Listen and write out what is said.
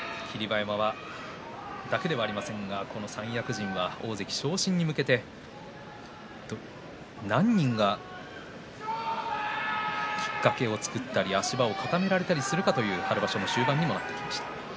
霧馬山だけではありませんが三役陣は大関昇進に向けて何人がきっかけを作って足場を固められたりするかという今場所終盤にもなってきました。